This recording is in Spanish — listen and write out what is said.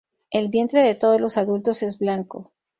El vientre de todos los adultos es blanco.